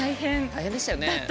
大変でしたよね。